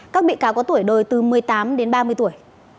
các bị cáo có tuổi đời từ một mươi tám đến ba mươi tuổi